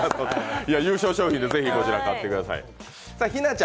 優勝賞品でぜひこちら買ってください。